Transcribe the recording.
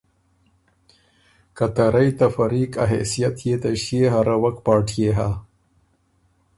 که ته رئ ته فریق ا حېثئت يې ته ݭيې هروَک پارټيې هۀ۔